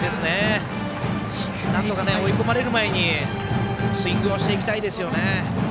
なんとか追い込まれる前にスイングをしていきたいですね。